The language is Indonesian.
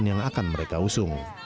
dan yang akan mereka usung